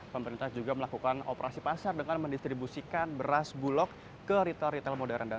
pemerintah juga melakukan operasi pasar dengan mendistribusikan beras bulog ke retail retail modern